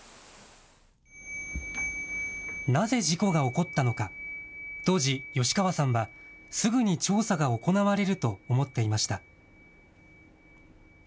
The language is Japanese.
なぜ事故が起こったのか、当時、吉川さんはすぐに調査が行われると思っていました。